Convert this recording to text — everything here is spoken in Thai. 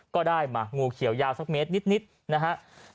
ก็ได้มางูเขียวยาวสักเมตรนิดนะครับ